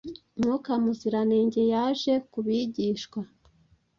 Mwuka Muziranenge yaje ku bigishwa